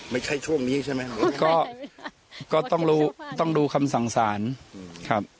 ไม่ใช่ช่วงนี้ใช่ไหมครับก็ต้องรู้ต้องดูคำสั่งสารครับ